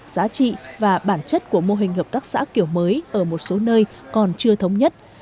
giá trị và bản chất của mô hình hợp tác xã kiểu mới ở một số nơi còn chưa thống nhất